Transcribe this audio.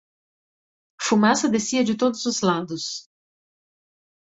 Fumaça descia de todos os lados.